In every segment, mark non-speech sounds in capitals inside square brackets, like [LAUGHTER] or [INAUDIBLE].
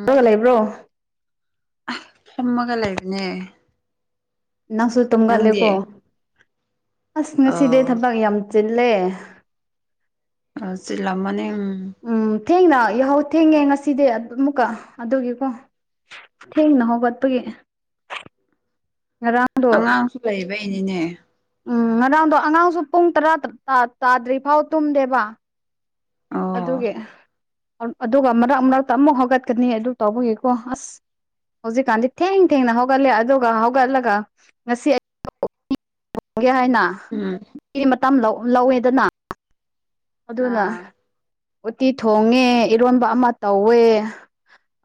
[UNINTELLIGIBLE] ꯂꯩꯕ꯭ꯔꯣ ꯑꯥ ꯐꯝꯃꯒ ꯂꯩꯕꯅꯦ ꯅꯪꯁꯨ ꯅꯪꯗꯤ ꯇꯨꯝꯒꯜꯂꯦꯀꯣ ꯑꯁ ꯉꯁꯤꯗꯤ ꯑꯣ ꯊꯕꯛ ꯌꯥꯝ ꯆꯤꯜꯂꯦ ꯑꯥ ꯆꯤꯜꯂꯝꯃꯅꯤ ꯎꯝ ꯎꯝ ꯊꯦꯡꯅ ꯌꯥꯍꯧ ꯊꯦꯡꯉꯦ ꯉꯁꯤꯗꯤ ꯑꯃꯨꯛꯀ ꯑꯗꯨꯒꯤꯀꯣ ꯊꯦꯡꯅ ꯍꯧꯒꯠꯄꯒꯤ ꯉꯔꯥꯡꯗꯣ ꯂꯩꯕꯩ ꯅꯤꯅꯦ ꯎꯝ ꯉꯔꯥꯡꯗꯣ ꯑꯉꯥꯡꯁꯨ ꯄꯨꯡ ꯇꯔꯥ ꯇꯠ ꯇꯥ ꯇꯥꯗ꯭ꯔꯤ ꯐꯥꯎ ꯇꯨꯝꯗꯦꯕ ꯑꯣ ꯑꯗꯨꯒꯤ ꯑꯗꯨꯒ ꯃꯔꯛ ꯃꯔꯛꯇ ꯑꯃꯨꯛ ꯍꯧꯒꯠꯀꯅꯤ ꯑꯗꯨ ꯇꯧꯕꯒꯤꯀꯣ ꯑꯁ ꯍꯧꯖꯤꯛꯀꯥꯟꯗꯤ ꯊꯦꯡ ꯊꯦꯡꯅ ꯍꯧꯒꯠꯂꯦ ꯑꯗꯨꯒ ꯍꯧꯒꯠꯂꯒ ꯉꯁꯤ ꯑꯩ [INAUDIBLE] [INAUDIBLE] ꯒꯦ ꯍꯥꯏꯅ ꯎꯝ [UNINTELLIGIBLE] ꯗꯤ ꯃꯇꯝ ꯂꯧ ꯂꯧꯋꯦꯗꯅ ꯑꯗꯨꯅ ꯑꯥ ꯎꯠꯇꯤ ꯊꯣꯡꯉꯦ ꯏꯔꯣꯟꯕ ꯑꯃ ꯇꯧꯋꯦ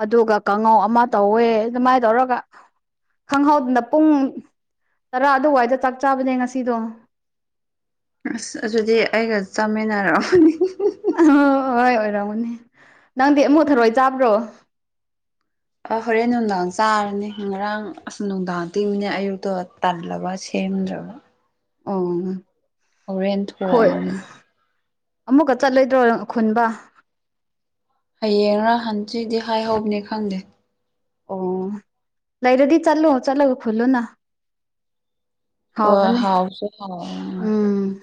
ꯑꯗꯨꯒ ꯀꯥꯡꯉꯧ ꯑꯃ ꯇꯧꯋꯦ ꯑꯗꯨꯃꯥꯏ ꯇꯧꯔꯒ ꯈꯪꯍꯧꯗꯅ ꯄꯨꯡ ꯇꯔꯥ ꯑꯗꯨꯋꯥꯏꯗ ꯆꯥꯛ ꯆꯥꯕꯅꯦ ꯉꯁꯤꯗꯣ ꯑꯁ ꯑꯗꯨꯗꯤ ꯑꯩꯒ ꯆꯥꯃꯤꯟꯅꯔꯝꯃꯅꯤ [UNINTELLIGIBLE] ꯑꯍ ꯍꯣꯏ ꯑꯣꯏꯔꯝꯒꯅꯤ ꯅꯪꯗꯤ ꯑꯃꯨꯛ ꯊꯔꯣꯏ ꯆꯥꯕ꯭ꯔꯣ ꯑꯥ ꯍꯣꯔꯦꯟ ꯅꯨꯡꯗꯥꯡ ꯆꯥꯔꯅꯤ ꯉꯔꯥꯡ ꯑꯁ ꯅꯨꯡꯗꯥꯡ ꯇꯤꯡ ꯃꯤꯅꯦ ꯑꯌꯨꯛꯇꯣ ꯇꯜꯂꯕ ꯁꯦꯝꯗ꯭ꯔꯕ ꯑꯣ ꯑꯉꯥꯡ ꯍꯣꯔꯦꯟ ꯈꯣꯏ ꯊꯣꯡꯉꯅꯤ ꯑꯃꯨꯛꯀ ꯆꯠꯂꯣꯏꯗ꯭ꯔꯣ ꯅꯪ ꯈꯨꯟꯕ ꯍꯌꯦꯡꯔ ꯍꯥꯟꯆꯤꯠꯗꯤ ꯍꯥꯏꯍꯧꯕꯅꯤ ꯈꯪꯗꯦ ꯑꯣ ꯂꯩꯔꯗꯤ ꯆꯠꯂꯣ ꯆꯠꯂꯒ ꯈꯨꯜꯂꯨꯅ ꯑꯣ ꯍꯥꯎꯕꯅꯦ ꯍꯥꯎꯁꯨ ꯍꯥꯎ ꯎꯝ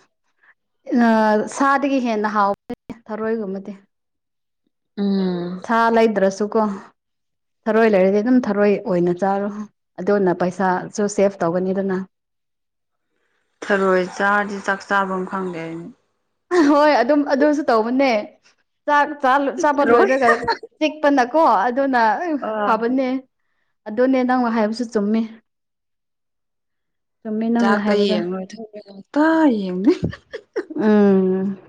ꯑ ꯁꯥꯗꯒꯤ ꯍꯦꯟꯅ ꯍꯥꯎ [INAUDIBLE] ꯊꯔꯣꯏꯒꯨꯝꯕꯗꯤ ꯎꯝ ꯁꯥ ꯂꯩꯗ꯭ꯔꯁꯨꯀꯣ ꯊꯔꯣꯏ ꯂꯩꯔꯗꯤ ꯑꯗꯨꯝ ꯊꯔꯣꯏ ꯑꯣꯏꯅ ꯆꯥꯔꯣ ꯑꯗꯨꯅ ꯄꯩꯁꯥ ꯁꯨ ꯁꯦꯞ ꯇꯧꯒꯅꯤꯗꯅ ꯊꯔꯣꯏ ꯆꯥꯔꯗꯤ ꯆꯥꯛ ꯆꯥꯕꯝ ꯈꯪꯗꯦ ꯑꯩꯗꯤ ꯍꯣꯏ ꯑꯗꯨꯝ ꯑꯗꯨꯁꯨ ꯇꯧꯕꯅꯦ ꯆꯥꯛ ꯆꯥꯜ ꯆꯥꯕ ꯊꯔꯣꯏ ꯂꯣꯏꯔꯒ ꯆꯤꯛꯄꯅꯀꯣ ꯑꯗꯨꯅ ꯎꯐ ꯑꯥ ꯐꯕꯅꯦ꯫ ꯑꯗꯨꯅꯦ ꯅꯪꯅ ꯍꯥꯏꯕꯁꯨ ꯆꯨꯝꯃꯦ ꯆꯨꯝꯃꯦ ꯅꯪꯅ ꯆꯥꯛꯇ ꯍꯥꯏꯕꯗꫭ [UNINTELLIGIBLE] ꯎꯝ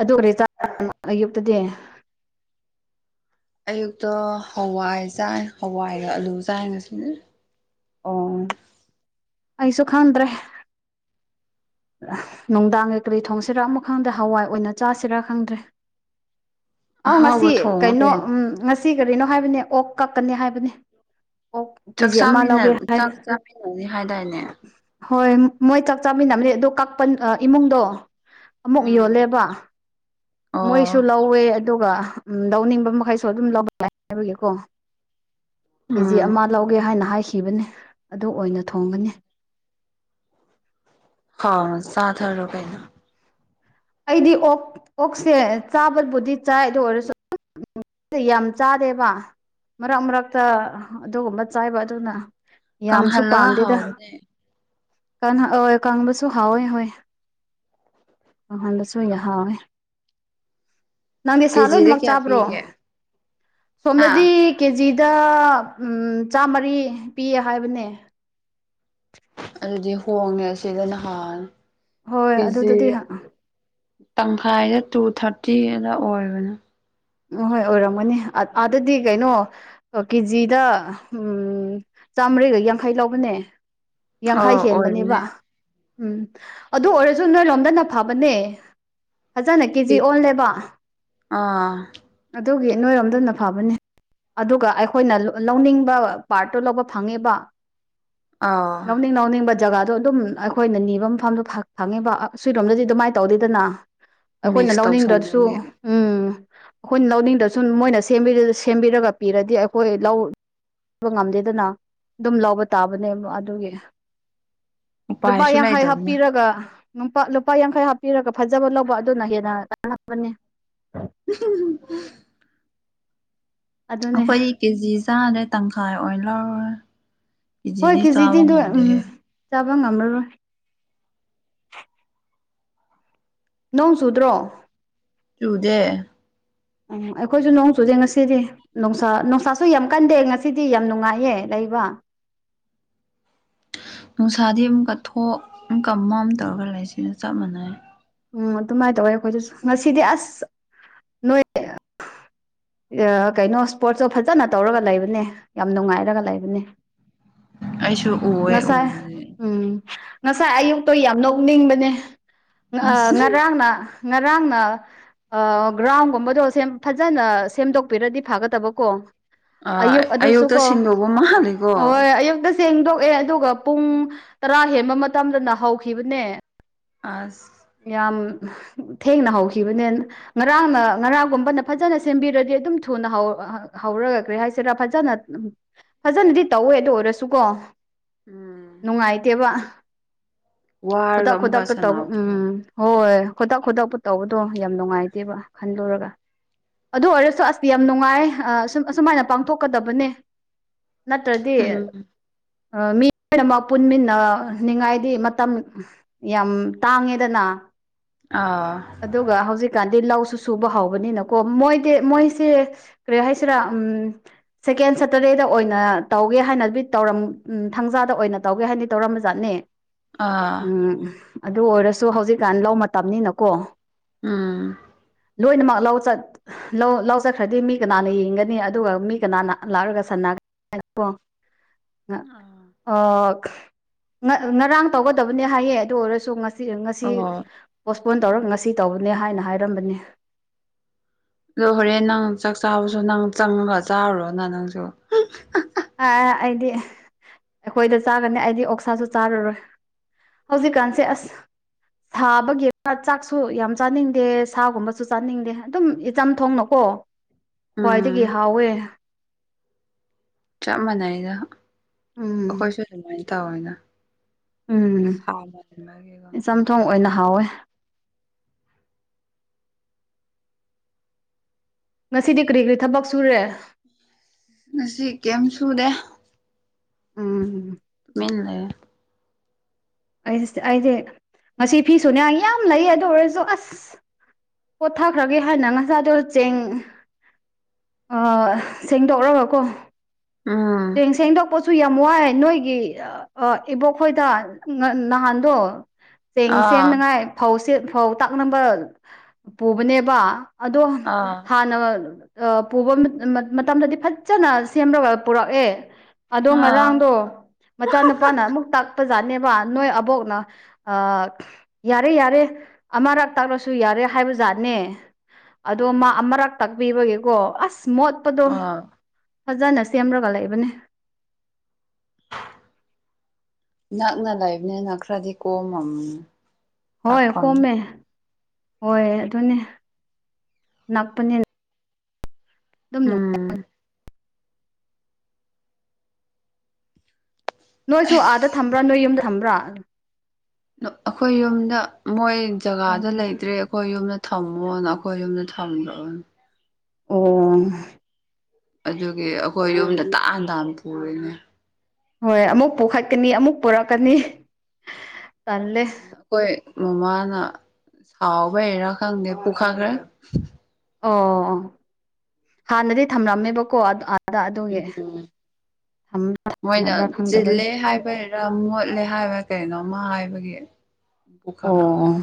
ꯑꯗꯨ ꯀꯔꯤ ꯆꯥ [INAUDIBLE] ꯑꯌꯨꯛꯇꯗꯤ꯫ ꯑꯌꯨꯛꯇꫭ ꯍꯋꯥꯏ ꯆꯥꯏ ꯍꯋꯥꯏꯒ ꯑꯂꯨ ꯆꯥꯏ ꯉꯁꯤꯗꯤ꯫ ꯑꯣ ꯑꯩꯁꯨ ꯈꯪꯗ꯭ꯔꯦ꯫ ꯑꯍ ꯅꯨꯡꯗꯥꯡꯒꯤ ꯀꯔꯤ ꯊꯣꯡꯁꯦꯔꯥ ꯑꯃꯨꯛ ꯈꯪꯗꯦ ꯍꯋꯥꯏ ꯑꯣꯏꯅ ꯆꯥꯁꯤꯔꯥ ꯈꯪꯗ꯭ꯔꯦ꯫ ꯑꯥꯎ ꯉꯁꯤ ꯑꯍꯥꯎꯕ ꯊꯣꯡꯉ ꯀꯩꯅꯣ ꯎꯃ ꯉꯁꯤ ꯀꯔꯤꯅꯣ ꯍꯥꯏꯕꯅꯦ ꯑꯣꯛ ꯀꯛꯀꯅꯤ ꯍꯥꯏꯕꯅꯦ꯫ ꯑꯣꯛ ꯆꯥꯛ ꯀꯦꯖꯤ ꯑꯃ ꯆꯥꯃꯤꯟꯅ ꯂꯧꯒꯦ ꯍꯥꯏ ꯆꯥꯛ ꯆꯥꯃꯤꯟꯅꯅꯤ ꯍꯥꯏꯗꯥꯏꯅꯦ꯫ ꯍꯣꯏ ꯃꯣꯏ ꯆꯥꯛ ꯆꯥꯃꯤꯟꯅꯕꯅꯦ ꯑꯗꯣ ꯀꯛꯄꯟ ꯑꯥ ꯏꯃꯨꯡꯗꯣ ꯑꯃꯨꯛ ꯎꯝ ꯌꯣꯜꯂꯦꯕ ꯃꯣꯏꯁꯨ ꯑꯣ ꯂꯧꯋꯦ ꯑ ꯑꯗꯨꯒ ꯎꯝ ꯂꯧꯅꯤꯡꯕ ꯃꯈꯩꯁꯨ ꯑꯗꯨꯝ ꯂꯧꯕ ꯌꯥꯏ ꯍꯥꯏꯕꯒꯤꯀꯣ ꯀꯦꯖꯤ ꯎꯝ ꯑꯃ ꯂꯧꯒꯦ ꯍꯥꯏꯅ ꯍꯥꯏꯈꯤꯕꯅꯦ ꯑꯗꯨ ꯑꯣꯏꯅ ꯊꯣꯡꯒꯅꯤ ꯍꯥꯎꯅ ꯆꯥꯊꯔꯣ ꯀꯩꯅꯣ ꯑꯩꯗꯤ ꯑꯣꯛ ꯑꯣꯛꯁꯦ ꯆꯥꯕꯕꯨꯗꯤ ꯆꯥꯏ ꯑꯗꯨ ꯑꯣꯏꯔꯁꯨ ꯌꯥꯝ ꯆꯥꯗꯦꯕ ꯃꯔꯛ ꯃꯔꯛꯇ ꯑꯗꯨꯒꯨꯝꯕ ꯆꯥꯏꯕ ꯑꯗꯨꯅ ꯌꯥꯝꯁꯨ ꯀꯪꯍꯜꯂꯒ ꯄꯥꯝꯗꯦꯗ ꯍꯥꯎꯕꯅꯦ [UNINTELLIGIBLE] ꯀꯪꯂꯁꯨ ꯍꯥꯎꯋꯦ ꯍꯣꯏ ꯀꯪꯍꯟꯕꯁꯨ ꯌ ꯍꯥꯎꯋꯦ ꯅꯪꯗꯤ ꯁꯥ ꯀꯦꯖꯤꯗ ꯂꯣꯏꯅꯃꯛ ꯀꯌꯥ ꯆꯥꯕ꯭ꯔꯣ ꯄꯤꯒꯦ ꯁꯣꯝꯗꯗꯤ ꯍꯥ ꯀꯦꯖꯤꯗ ꯆꯥꯝꯃꯔꯤ ꯄꯤꯌꯦ ꯍꯥꯏꯕꯅꯦ ꯑꯗꯨꯗꯤ ꯍꯣꯡꯉꯦ ꯑꯁꯤꯗ ꯅꯍꯥꯟ ꯍꯣꯏ ꯀꯦꯖꯤ ꯑꯗꯨꯗꯗꯤ ꯇꯪꯈꯥꯏꯗ ꯇꯨ ꯊꯥꯔꯇꯤꯔ ꯑꯣꯏꯕꯅꯦ ꯑꯍꯣꯏ ꯑꯣꯏꯔꯝꯒꯅꯤ ꯑ ꯑꯥꯗꯗꯤ ꯀꯩꯅꯣ ꯑꯣ ꯀꯦꯖꯤꯗ ꯎꯝ ꯆꯥꯝꯃꯔꯤꯒ ꯌꯥꯡꯈꯩ ꯂꯧꯕꯅꯦ ꯑ ꯌꯥꯡꯈꯩ ꯍꯦꯟꯕꯅꯦꯕ ꯑꯣꯏꯕꯅꯦ ꯎꯝ ꯑꯗꯨ ꯑꯣꯏꯔꯁꯨ ꯅꯣꯏ ꯂꫭꯝꯗꯅ ꯐꯕꯅꯦ ꯐꯖꯅ ꯀꯦꯖꯤ ꯑꯣꯜꯂꯦꯕ ꯑꯥ ꯑꯗꯨꯒꯤ ꯅꯣꯏꯔꯣꯝꯗꯅ ꯐꯕꯅꯦ ꯑꯗꯨꯒ ꯑꯩꯈꯣꯏꯅ ꯂ ꯂꯧꯅꯤꯡꯕ ꯄꯥꯔꯠꯇꯣ ꯂꯧꯕ ꯐꯪꯉꯦꯕ ꯑꯥ ꯂꯧꯅꯤꯡ ꯂꯧꯅꯤꯡꯕ ꯖꯒꯥꯗꯣ ꯑꯗꯨꯝ ꯑꯩꯈꯣꯏꯅ ꯅꯤꯕ ꯃꯐꯝꯗꯣ ꯐꯪꯉꯤꯕ ꯁꯤꯔꯣꯝꯗꯗꯤ ꯑꯗꯨꯃꯥꯏꯅ ꯇꯧꯗꯦꯗꯅ ꯑꯈꯣꯏꯅ ꯃꯤꯛꯁ ꯂꯧꯅꯤꯡꯗ꯭ꯔꯁꯨ ꯇꯧꯁꯟꯕꯒꯤ ꯎꯝ ꯑꯩꯈꯣꯏꯅ ꯂꯧꯅꯤꯡꯗꯁꯨ ꯃꯣꯏꯅ ꯁꯦꯝꯕꯤ ꯁꯦꯝꯕꯤꯔꯒ ꯄꯤꯔꯗꯤ ꯑꯩꯈꯣꯏ ꯂꯧ ꯕ ꯉꯝꯗꯦꯗꯅ ꯑꯗꯨꯝ ꯂꯧꯕ ꯇꯥꯕꯅꯦꯕ ꯑꯗꯨꯒꯤ ꯂꯨꯄꯥ ꯎꯄꯥꯏꯁꯨ ꯌꯥꯡꯈꯩ ꯂꯩꯇꯕꯅ ꯍꯥꯞꯄꯤꯔꯒ ꯅꯨꯝꯄꯥ ꯂꯨꯄꯥ ꯌꯥꯡꯈꯩ ꯍꯥꯞꯄꯤꯔꯒ ꯐꯖꯕ ꯂꯧꯕ ꯑꯗꯨꯅ ꯍꯦꯟꯅ [INAUDIBLE] ꯑꯗꯨꯅꯦ ꯑꯩꯈꯣꯏꯗꯤ ꯀꯦꯖꯤ ꯆꯥꯗꯦ ꯇꯪꯈꯥꯏ ꯑꯣꯏꯅ ꯂꯧꯔꯦ ꯍꯣꯏ ꯀꯦꯖꯤꯗꯤ ꯆꯥꯕ ꯗꯣ ꯎꯝ ꯉꯝꯗꯦꯍꯦ ꯆꯥꯕ ꯉꯝꯔꯔꯣꯏ ꯅꯣꯡ ꯆꯨꯗ꯭ꯔꯣ ꯆꯨꯗꯦ ꯎꯝ ꯑꯩꯈꯣꯏꯁꯨ ꯅꯣꯡ ꯆꯨꯗꯦ ꯉꯁꯤꯗꯤ ꯅꯨꯡꯁꯥ ꯅꯨꯡꯁꯥꯁꯨ ꯌꯥꯝ ꯀꯟꯗꯦ ꯉꯁꯤꯗꯤ ꯌꯥꯝ ꯅꯨꯡꯉꯥꯏꯌꯦ ꯂꯩꯕꯥ ꯅꯨꯡꯁꯥꯗꯤ ꯑꯃꯨꯛꯀ ꯊꯣꯛ ꯑꯃꯨꯛꯀ ꯃꯝ ꯇꯧꯔꯒ ꯂꯩꯁꯤꯒ ꯆꯞ ꯃꯥꯟꯅꯩꯌꯦ ꯎꯝ ꯑꯗꯨꯃꯥꯏ ꯇꯧꯋꯦ ꯑꯩꯈꯣꯏꯗꯁꯨ ꯉꯥꯁꯤꯗꯤ ꯑꯁ ꯅꯣꯏ ꯑ ꯀꯩꯅꯣ ꯁꯄꯣꯔꯠꯁꯇꯣ ꯐꯖꯅ ꯇꯧꯔꯒ ꯂꯩꯕꯅꯦ ꯌꯥꯝ ꯅꯨꯡꯉꯥꯏꯔꯒ ꯂꯩꯕꯅꯦ ꯑꯩꯁꯨ ꯎꯋꯦ ꯉꯥꯁꯥꯏ ꯎꯕꯗꯤ ꯎꯝ ꯉꯁꯥꯏ ꯑꯌꯨꯛꯇꯣ ꯌꯥꯝ ꯅꯣꯛꯅꯤꯡꯕꯅꯦ ꯑ ꯑꯁ ꯉꯔꯥꯡꯅꯥ ꯉꯔꯥꯡꯅꯥ ꯑꯥ ꯒ꯭ꯔꯥꯎꯟꯒꯨꯝꯕꯗꯣ ꯁꯦꯝ ꯐꯖꯅ ꯁꯦꯝꯗꯣꯛꯄꯤꯔꯗꯤ ꯐꯥꯒꯗꯥꯕꯀꯣ ꯑꯥ ꯑꯌꯨꯛ ꯑꯗꯨꯁꯨꯨ ꯑꯌꯨꯛꯇ ꯀꯣ ꯁꯤꯟꯗꯧꯕ ꯃꯥꯜꯂꯦꯀꯣ ꯍꯣꯏ ꯑꯌꯨꯛꯗꯥ ꯁꯦꯡꯗꯣꯛꯑꯦ ꯑꯗꯨꯒ ꯄꯨꯡ ꯇꯔꯥ ꯍꯦꯟꯕ ꯃꯇꯝꯗꯅꯥ ꯍꯧꯈꯤꯕꯅꯦ ꯑꯥꯁ ꯌꯥꯝ ꯊꯦꯡꯅꯥ ꯍꯧꯈꯤꯕꯅꯦ ꯉꯔꯥꯡꯅ ꯉꯔꯥꯡꯒꯨꯝꯕꯅꯥ ꯐꯖꯅ ꯁꯦꯝꯕꯤꯔꯗꯤ ꯑꯗꯨꯝ ꯊꯨꯅ ꯍꯧ ꯍꯧꯔꯒꯥ ꯀꯔꯤ ꯍꯥꯏꯁꯤꯔꯥ ꯐꯖꯅ ꯐꯖꯅꯗꯤ ꯇꯧꯋꯦ ꯑꯗꯨ ꯑꯣꯏꯔꯁꯨꯀꯣ ꯎꯝ ꯅꯨꯡꯉꯥꯏꯇꯦꯕꯥ ꯋꯥꯔꯒ ꯈꯨꯗꯛ ꯑꯃꯨꯛꯀ ꯈꯨꯗꯛꯇꯥ ꯇꯧꯕ ꯁꯥꯟꯅꯕꯗꯣ ꯎꯝ ꯍꯣꯏ ꯈꯨꯗꯛ ꯈꯨꯣꯇꯛꯄꯨ ꯇꯧꯕꯗꯣ ꯌꯥꯝ ꯅꯨꯡꯉꯥꯏꯇꯦꯕ ꯈꯟꯂꯨꯔꯒꯥ ꯑꯗꯨ ꯑꯣꯏꯔꯁꯨ ꯑꯁ ꯌꯥꯝ ꯅꯨꯡꯉꯥꯏ ꯌꯦ ꯑꯁꯨꯝ ꯑꯁꯨꯃꯥꯏꯅ ꯄꯥꯡꯊꯣꯛꯀꯗꯕꯅꯦ ꯅꯠꯇ꯭ꯔꯗꯤ ꯎꯝ ꯃꯤ ꯂꯣꯏꯅꯃꯛ ꯄꯨꯟꯃꯤꯟꯅꯥꯅꯤꯡꯉꯥꯏꯗꯤ ꯃꯇꯝ ꯌꯥꯝ ꯇꯥꯡꯉꯦꯗꯅꯥ ꯑꯥ ꯑꯗꯨꯒ ꯍꯧꯖꯤꯛꯀꯥꯟꯗꯤ ꯂꯧꯁꯨ ꯁꯨꯕꯥ ꯍꯧꯕꯅꯤꯅꯀꯣ ꯃꯣꯏꯗꯤ ꯃꯣꯏꯁꯦ ꯀ꯭ꯔꯤ ꯍꯥꯏꯁꯤꯔꯥ ꯎꯝ ꯁꯦꯀꯦꯟ ꯁꯇꯔꯗꯦꯗꯥ ꯑꯣꯏꯅ ꯇꯧꯒꯦ ꯍꯥꯏꯅꯗꯤ ꯇꯧꯔꯝ ꯊꯥꯡꯖꯥꯗ ꯑꯣꯏꯅ ꯇꯧꯒꯦ ꯍꯥꯏꯅꯗꯤ ꯇꯧꯔꯝꯕ ꯖꯥꯠꯅꯤ ꯑꯥ ꯎꯝ ꯑꯗꯨ ꯑꯣꯏꯔꯁꯨ ꯍꯧꯖꯤꯛꯀꯥꯟ ꯂꯧ ꯃꯇꯝꯅꯤꯅꯥꯀꯣ ꯎꯝ ꯂꯣꯏꯅꯥꯃꯛ ꯂꯧ ꯆꯠ ꯂꯧ ꯂꯧꯆꯠꯈ꯭ꯔꯗꯤ ꯃꯤ ꯀꯅꯥꯅ ꯌꯦꯡꯒꯅꯤ ꯑꯗꯨꯒ ꯃꯤ ꯀꯅꯥꯅ ꯂꯥꯛꯔꯒ ꯁꯟꯅꯒꯅꯤ [INAUDIBLE] [INAUDIBLE] ꯑꯣ ꯉꯔꯥꯡ ꯇꯧꯒꯗꯕꯅꯦ ꯍꯥꯏꯌꯦ ꯑꯗꯨ ꯑꯣꯏꯔꯥꯁꯨ ꯉꯁꯤ ꯉꯁꯤ ꯑꯣ ꯑꯗꯣ ꯐꯣꯟ ꯇꯧꯔꯒ ꯉꯁꯤ ꯇꯧꯕꯅꯦ ꯍꯥꯏꯅꯥ ꯍꯥꯏꯔꯝꯕꯅꯦ ꯑꯗꯣ ꯍꯣꯔꯦꯟ ꯅꯪ ꯆꯥꯛ ꯆꯥꯕꯁꯨ ꯅꯪ ꯆꯪꯉꯒꯥ ꯆꯥꯔꯨꯔꯣꯅ ꯅꯪꯁꯨ ꯑ ꯑꯩꯗꯤ ꯑꯩꯈꯣꯏꯗꯥ ꯆꯥꯒꯅꯤ ꯑꯩꯗꯤ ꯑꯣꯛꯁꯥꯁꯨ ꯆꯥꯔꯔꯣꯏ ꯍꯧꯖꯤꯛꯀꯥꯟꯁꯦ ꯑꯥꯁ ꯊꯕꯒꯤ ꯆꯥꯛꯁꯨ ꯌꯥꯝ ꯆꯥꯅꯤꯡꯗꯦ ꯁꯥꯒꯨꯝꯕꯁꯨ ꯆꯥꯅꯤꯡꯗꯦ ꯑꯗꯨꯝ ꯏꯆꯝꯊꯣꯡꯅꯥ ꯀꯣ ꯈ꯭ꯋꯥꯏꯗꯥꯒꯤ ꯎꯝ ꯍꯥꯎꯋꯦ ꯆꯞ ꯃꯥꯟꯅꯩꯗꯥ ꯎꯝ ꯑꯩꯈꯣꯏꯁꯨ ꯑꯗꯨꯃꯥꯏꯅꯥ ꯇꯧꯋꯦꯅꯥ ꯎꯝ ꯆꯝꯊꯣꯡ ꯑꯣꯏꯅꯥ ꯍꯥꯎꯋꯦ ꯉꯁꯤꯗꯤ ꯀ꯭ꯔꯤ ꯀ꯭ꯔꯤ ꯊꯕꯛ ꯁꯨꯔꯦ ꯉꯁꯤ ꯀꯦꯝ ꯁꯨꯗꯦ ꯑꯝ [UNINTELLIGIBLE] ꯑꯩꯁ ꯑꯩꯗꯤ ꯉꯁꯤ ꯐꯤꯁꯨꯅꯦ ꯌꯥꯝ ꯂꯩ ꯑꯗꯨ ꯑꯣꯏꯔꯁꯨ ꯑꯁ ꯄꯣꯊꯥꯈ꯭ꯔꯒꯦ ꯍꯥꯏꯅꯥ ꯉꯁꯥꯏꯗꯣ ꯆꯦꯡ ꯑꯥ ꯁꯦꯡꯗꯣꯛꯔꯒꯀꯣ ꯎꯝ ꯁꯦꯡ ꯁꯦꯡ ꯁꯦꯡꯗꯣꯛꯄ ꯁꯨ ꯌꯥꯝ ꯋꯥꯏ ꯅꯣꯏꯒꯤ ꯑꯥ ꯏꯕꯣꯛ ꯈꯣꯏꯗ ꯅꯍꯥꯟꯗꯣ ꯆꯦꯡ ꯑꯥ ꯁꯦꯝꯅꯉꯥꯏ ꯐꯧ ꯁꯦꯝ ꯐꯧ ꯇꯛꯅꯕ ꯄꯨꯕꯅꯦꯕ ꯑꯗꯣ ꯑꯥ ꯍꯥꯟꯅ ꯑꯥ ꯄꯨꯕ ꯃꯥ ꯃꯇꯝꯗꯗꯤ ꯐꯖꯅ ꯁꯦꯝꯔꯒ ꯄꯨꯔꯛꯑꯦ ꯑꯗꯣ ꯑꯥ ꯉꯔꯥꯡꯗꯣ ꯃꯆꯥꯅꯨꯄꯥꯅ ꯑꯃꯨꯛ ꯇꯥꯛꯄꯖꯥꯠꯅꯦꯕ ꯅꯣꯏ ꯑꯕꯣꯛꯅ ꯑꯥ ꯌꯥꯔꯦ ꯌꯥꯔꯦ ꯑꯃꯔꯛ ꯇꯛꯂꯁꯨ ꯌꯥꯔꯦ ꯍꯥꯏꯕꯖꯥꯠꯅꯦ ꯑꯗꯣ ꯃꯥ ꯎꯝ ꯑꯃꯔꯛ ꯇꯥꯛꯄꯤꯕꯒꯤꯀꯣ ꯑꯁ ꯃꯣꯠꯄꯗꯣ ꯑꯥ ꯐꯖꯅ ꯁꯦꯝꯔꯒ ꯂꯩꯕꯅꯦ ꯅꯛꯅ ꯂꯩꯕꯅꯦꯅ ꯈꯔꯗꯤ ꯀꯣꯝꯃꯝ ꯍꯣꯏ ꯀꯣꯝꯃꯦ ꯍꯣꯏ ꯑꯗꯨꯅꯦ ꯅꯛꯄꯅꯦ ꯑꯗꯨꯝ ꯅꯨꯡ ꯎꯝ ꯅꯣꯏꯁꯨ ꯑꯥꯗ ꯊꯝꯕ꯭ꯔꯥ ꯅꯣꯏ ꯌꯨꯝꯗ ꯊꯝꯕ꯭ꯔꯥ ꯑꯩꯈꯣꯏ ꯌꯨꯝꯗ ꯃꯣꯏ ꯑꯣ ꯖꯒꯥꯗ ꯂꯩꯇ꯭ꯔꯦ ꯑꯩꯈꯣꯏ ꯌꯨꯝꯗ ꯊꯝꯃꯣꯅ ꯑꯩꯈꯣꯏ ꯌꯨꯝꯗ ꯊꯝꯒ꯭ꯔꯕꯅꯤ ꯑꯣ ꯑꯗꯨꯒꯤ ꯑꯩꯈꯣꯏ ꯌꯨꯝꯗ ꯇꯥꯥꯟ ꯇꯥꯅ ꯄꯨꯔꯤꯅꯦ ꯍꯣꯏ ꯑꯃꯨꯛ ꯄꯨꯈꯠꯀꯅꯤ ꯑꯃꯨꯛ ꯄꯨꯔꯛꯀꯅꯤ ꯇꯜꯂꯦ ꯑꯗꯨꯅ ꯑꯩꯈꯣꯏ ꯃꯃꯥꯅ ꯁꯥꯎꯕꯩꯔꯥ ꯈꯪꯗꯦ ꯄꯨꯈꯠꯈ꯭ꯔꯦ ꯑꯣ ꯍꯥꯟꯅꯗꯤ ꯊꯝꯂꯝꯃꯦꯕꯀꯣ ꯑꯥꯗ ꯑꯥ ꯎꯝ ꯃꯣꯏꯅ ꯊꯝꯗꯕ꯭ꯔꯥ ꯈꯪꯗꯕꯒꯤ ꯆꯤꯜꯂꯦ ꯍꯥꯏꯕꯩ ꯔꯥ‌ ꯃꯣꯠꯂꯦ ꯍꯥꯏꯕ꯭ꯔꯥ ꯀꯩꯅꯣꯝꯃ ꯍꯥꯏꯕꯒꯤ ꯑꯣ ꯄꯨꯈꯠꯈ꯭ꯔꯕꯅꯤ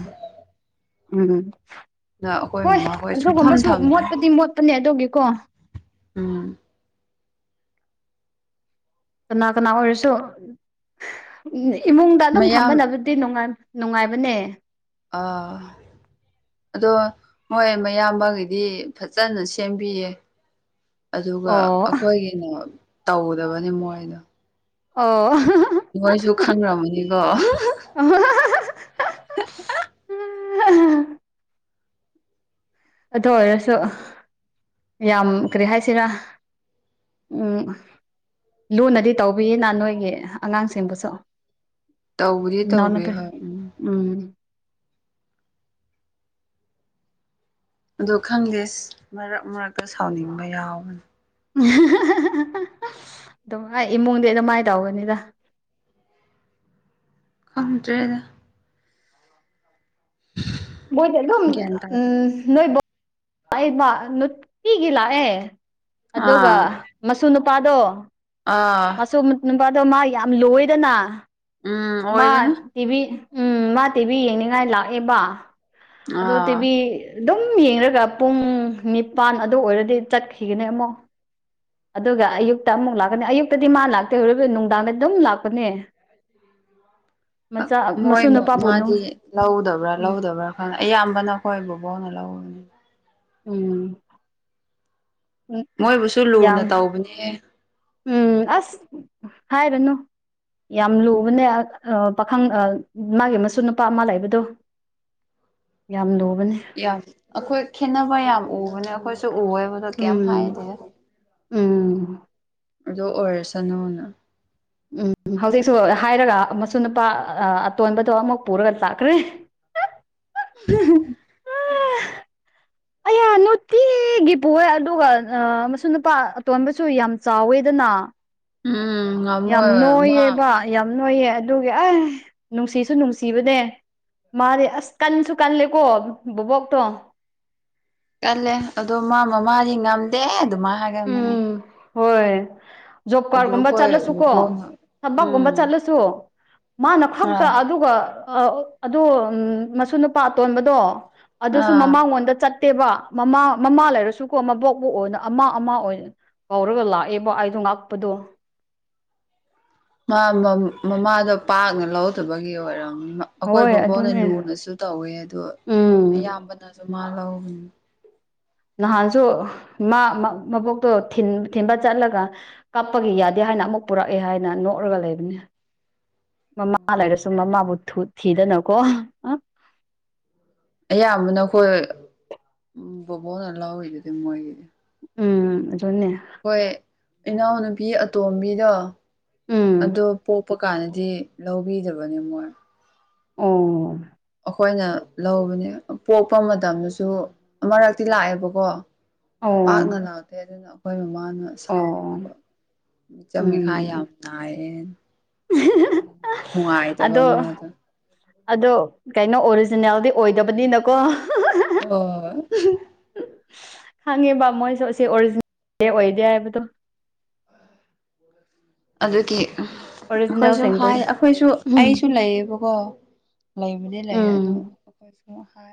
ꯎꯝ ꯑꯗ ꯑꯩꯈꯣꯏ ꯍꯣꯏ ꯃꯃꯥꯈꯣꯏ ꯁꯨꯡꯊꯝ ꯑꯗꯨꯒꯨꯝꯕꯁꯨ ꯊꯝꯗ꯭ꯔꯦ ꯃꯣꯠꯄꯗꯤ ꯃꯣꯠꯄꯅꯦ ꯑꯗꯨꯒꯤꯀꯣ ꯎꯝ ꯀꯅꯥ ꯀꯅꯥ ꯑꯣꯏꯔꯁꯨ ꯏꯃꯨꯡꯗ ꯑꯗꯨꯝ ꯃꯌꯥꯝ ꯊꯝꯕꯅꯕ ꯇꯤ ꯅꯣꯡꯉꯥꯟ ꯅꯨꯡꯉꯥꯏꯕꯅꯦ ꯑꯥ ꯑꯗꯣ ꯃꯣꯏ ꯃꯌꯥꯝꯕꯒꯤꯗꯤ ꯐꯖꯅ ꯁꯦꯝꯕꯤꯌꯦ ꯑꯗꯨꯒ ꯑꯣ ꯑꯩꯈꯣꯏꯒꯤꯅ ꯇꯧꯗꯕꯅꯤ ꯃꯣꯏꯅ ꯑꯣ [UNINTELLIGIBLE] ꯁꯨ ꯈꯪꯈ꯭ꯔꯃꯅꯤꯀꯣ ꯑꯗꯨ ꯑꯣꯏꯔꯁꯨ ꯌꯥꯝ ꯀꯔꯤ ꯍꯥꯏꯁꯤꯔꯥ ꯎꯝ ꯂꯨꯅꯗꯤ ꯇꯧꯕꯤꯌꯦꯅ ꯅꯣꯏꯒꯤ ꯑꯉꯥꯡꯁꯤꯡꯕꯨꯁꯨ ꯇꯧꯕꯨꯗꯤ ꯇꯧꯕꯥ ꯏꯅꯥꯎꯅꯨꯄꯤ ꯍꯣꯏ ꯎꯝ ꯎꯝ ꯑꯗꯣ ꯈꯪꯗꯦ ꯃꯔꯛ ꯃꯔꯛꯇ ꯁꯥꯎꯅꯤꯡꯕ ꯌꯥꯎꯕꯅꯦ ꯑꯗꯨꯝ ꯍꯥꯥꯏ ꯏꯃꯨꯡꯗꯤ ꯑꯗꯨꯃꯥꯏꯅ ꯇꯧꯕꯅꯤꯗ ꯈꯪꯗ꯭ꯔꯦꯗ ꯃꯣꯏꯗꯤ ꯑꯗꯨꯝ ꯒ꯭ꯌꯥꯟ ꯇꯥꯗꯦ ꯎꯝ ꯅꯣꯏꯕꯣꯛ‌ ꯂꯥꯛꯏꯕ ꯅꯨꯡꯇꯤꯒꯤ ꯂꯥꯛꯑꯦ ꯑꯗꯨꯒ ꯑꯥ ꯃꯁꯨ ꯅꯨꯄꯥꯗꯣ ꯑꯥ ꯃꯁꯨ ꯅꯨ ꯅꯨꯄꯥꯗꯣ ꯃꯥ ꯌꯥꯝ ꯂꯨꯌꯦꯗꯅ ꯎꯝ ꯃꯥ ꯑꯣꯏꯕꯅꯤ ꯇꯤꯚꯤ ꯎꯝ ꯃꯥ ꯇꯤꯚꯤ ꯌꯦꯡꯅꯤꯡꯉꯥꯏ ꯂꯥꯛꯑꯦꯕ ꯑꯗꯣ ꯑꯥ ꯇꯤꯚꯤ ꯑꯗꯨꯝ ꯌꯦꯡꯔꯒ ꯄꯨꯡ ꯅꯤꯄꯥꯟ ꯑꯗꯨ ꯑꯣꯏꯔꯗꯤ ꯆꯠꯈꯤꯒꯅꯦ ꯑꯃꯨꯛ ꯑꯗꯨꯒ ꯑꯌꯨꯛꯇ ꯑꯃꯨꯛ ꯂꯥꯛꯀꯅꯤ ꯑꯌꯨꯛꯇꯗꯤ ꯃꯥ ꯂꯥꯛꯇꯦ ꯑꯣꯏꯔꯤꯕ ꯅꯨꯡꯗꯥꯡꯗ ꯑꯗꯨꯝ ꯂꯥꯛꯄꯅꯦ ꯑ ꯃꯆꯥ ꯃꯣꯏ ꯃꯁꯨ ꯅꯨꯄꯥꯕꯨ ꯅꯨꯡ ꯃꯃꯥꯗꯤ ꯂꯧꯗꯕ꯭ꯔꯥ ꯂꯧꯗꯕ꯭ꯔꯥ ꯑ ꯑꯌꯥꯝꯕꯅ ꯑꯩꯈꯣꯏ ꯕꯣꯕꯣꯛꯅ ꯂꯧꯋꯦ ꯎꯝ ꯎꯝ ꯃꯣꯏꯕꯨꯁꯨ ꯂꯨꯅ ꯌꯥꯝ ꯇꯧꯕꯅꯤꯍꯦ ꯎꯝ ꯑꯁ ꯍꯥꯏꯔꯅꯨ ꯌꯥꯝ ꯂꯨꯕꯅꯦ ꯑ ꯑꯣ ꯄꯥꯈꯪ ꯑ ꯃꯥꯒꯤ ꯃꯁꯨꯅꯨꯄꯥ ꯑꯃ ꯂꯩꯕꯗꯣ ꯌꯥꯝ ꯂꯨꯕꯅꯦ ꯌꯥꯝ ꯑꯩꯈꯣꯏ ꯈꯦꯠꯅꯕ ꯌꯥꯝ ꯎꯕꯅꯦ ꯑꯩꯈꯣꯏꯁꯨ ꯎꯋꯦꯕ ꯎꯝ ꯎꯝ ꯑꯗꯨ ꯑꯣꯏꯔꯁꯅꯨꯅ ꯎꯝ ꯍꯧꯖꯤꯛꯁꯨ ꯍꯥꯏꯔꯒ ꯃꯁꯨꯅꯨꯄꯥ ꯑ ꯑꯇꯣꯟꯕꯗꯣ ꯑꯃꯨꯛ ꯄꯨꯔꯒ ꯂꯥꯛꯈ꯭ꯔꯦ [UNINTELLIGIBLE] ꯑꯌꯥ ꯅꯣꯠꯇꯤ ꯇꯤꯒꯤ ꯄꯨꯑꯦ ꯑꯗꯨꯒ ꯑ ꯃꯁꯨꯅꯨꯄꯥ ꯑꯇꯣꯟꯕꯁꯨ ꯌꯥꯝ ꯆꯥꯎꯋꯦꯗꯅꯥ ꯎꯝ ꯌꯥꯝ ꯉꯝꯃꯣꯏ ꯃꯥ ꯅꯣꯏꯌꯦꯕ ꯌꯥꯝ ꯅꯣꯏꯌꯦ ꯑꯗꯨꯒꯤ ꯑꯦ ꯅꯨꯡꯁꯤꯁꯨ ꯅꯨꯡꯁꯤꯕꯅꯦ ꯃꯥꯗꯤ ꯑꯁ ꯀꯟꯁꯨ ꯀꯜꯂꯦꯀꯣ ꯕꯣꯕꯣꯛꯇꯣ ꯀꯜꯂꯦ ꯑꯗꯣ ꯃꯥ ꯃꯃꯥꯗꯤ ꯉꯝꯗꯦ ꯑꯗꯨꯃꯥꯏ ꯍꯥꯏꯒꯟꯕꯅꯦ ꯎꯝ ꯍꯣꯏ ꯖꯣꯕ ꯑꯗꯨ ꯀꯥꯔꯗꯒꯨꯝꯕ ꯑꯩꯈꯣꯏ ꯆꯠꯂꯁꯨ ꯀꯣ ꯕꯣꯕꯣꯛꯅ ꯊꯕꯛꯀꯨꯝꯕ ꯎꯝ ꯆꯠꯂꯁꯨ ꯃꯥꯅ ꯑꯥ ꯈꯛꯇ ꯑꯗꯨꯒ ꯑ ꯑꯗꯨ ꯎꯝ ꯃꯁꯨꯅꯨꯞ ꯄꯥ ꯑꯇꯣꯟꯕꯗꯣ ꯑꯗꯨꯁꯨ ꯑꯥ ꯃꯃꯥꯡꯉꯣꯟꯗ ꯆꯠ ꯇꯦꯕ ꯃꯃꯥ ꯃꯃꯥ ꯂꯩꯔꯁꯨꯀꯣ ꯃꯕꯣꯛꯄꯨ ꯑꯣꯏꯅ ꯑꯝꯃꯥ ꯑꯝꯃꯥ ꯑꯣꯏꯅ ꯀꯧꯔꯒ ꯂꯥꯛꯑꯦꯕ ꯑꯩꯗꯣ ꯉꯥꯛꯄꯗꯣ ꯃꯥ ꯃꯝ ꯃꯃꯥꯗꯣ ꯄꯥꯛꯅ ꯂꯧꯔꯝꯇꯕꯒꯤ ꯑꯣꯏꯔꯝꯅꯤ ꯑꯩꯈꯣꯏ ꯍꯣꯏ ꯕꯣꯕꯣꯛꯅ ꯑꯗꯨꯅꯦ ꯂꯨꯅꯁꯨ ꯇꯧꯋꯦ ꯑꯗꯣ ꯎꯝ ꯑꯌꯥꯝꯕꯅꯁꯨ ꯃꯥ ꯂꯧꯕꯅꯤ ꯅꯍꯥꯟꯁꯨ ꯃꯥ ꯃ ꯃꯕꯣꯛꯇꯣ ꯊꯤꯟ ꯊꯤꯟꯕ ꯆꯠꯂꯒ ꯀꯞꯄꯒꯤ ꯌꯥꯗꯦ ꯍꯥꯏꯅ ꯑꯃꯨꯛ ꯄꯨꯔꯛꯑꯦ ꯍꯥꯏꯅ ꯅꯣꯛꯔꯒ ꯂꯩꯕꯅꯤ ꯃꯃꯥ ꯂꯩꯔꯁꯨ ꯃꯃꯥꯕꯨ ꯊꯨꯠ ꯊꯤꯗꯅꯀꯣ ꯑꯌꯥꯝꯕꯅ ꯑꯈꯣꯏ ꯎꯝ ꯕꯣꯕꯣꯛꯅ ꯂꯧꯔꯤꯗꯨꯗꯤ ꯃꯣꯏꯒꯤꯗꯤ ꯎꯝ ꯑꯗꯨꯅꯦ ꯍꯣꯏ ꯏꯅꯥꯎꯅꯨꯄꯤ ꯑꯇꯣꯝꯕꯤꯗꯣ ꯎꯝ ꯑꯗꯣ ꯄꯣꯛ ꯄ ꯀꯥꯟꯗꯗꯤ ꯂꯧꯕꯤꯗꯕꯅꯦ ꯃꯣꯏ ꯑꯣ ꯑꯈꯣꯏꯅ ꯂꯧꯕꯅꯦ ꯄꯣꯛꯄ ꯃꯇꯝꯗꯁꯨ ꯑꯃꯔꯛꯇꯤ ꯂꯥꯛꯑꯦꯕꯀꯣ ꯑꯣ ꯄꯥꯛꯅ ꯂꯥꯛꯇꯦ ꯑꯗꯨꯅ ꯑꯩꯈꯣꯏ ꯃꯃꯥꯅ ꯑꯣ ꯁꯥꯎꯕ ꯃꯤꯆꯝ ꯃꯤꯈꯥꯏ ꯎꯝ ꯌꯥꯝ ꯥꯅꯥꯏꯌꯦꯅ ꯑꯗꯨꯅ ꯅꯨꯡꯉꯥꯏꯇꯕ ꯑꯗꯣ ꯃꯥꯗꯣ ꯑꯗꯣ ꯀꯩꯅꯣ ꯑꯣꯔꯤꯖꯤꯅꯦꯜꯗꯤ ꯑꯣꯏꯗꯕꯅꯤꯅꯀꯣ ꯑꯣ ꯈꯪꯉꯦꯕ ꯃꯣꯏꯁꯨ ꯑꯁꯤ ꯑꯣꯔꯤꯖꯤꯅꯦꯜ ꯑꯣꯏꯗꯦ ꯍꯥꯏꯕꯗꯣ ꯑꯗꯨꯗꯤ ꯑꯩꯈꯣꯏꯁꯨ ꯑꯣꯔꯤꯖꯤꯅꯦꯜꯁꯤꯡꯕꯨ ꯍꯥꯏ ꯑꯩꯈꯣꯏꯁꯨ ꯎꯝ ꯑꯩꯁꯨ ꯂꯩꯌꯦꯕꯀꯣ ꯂꯩꯕꯗꯤ ꯂꯩ ꯑꯗꯨ ꯎꯝ ꯀꯣꯏꯁꯨ ꯍꯥꯏ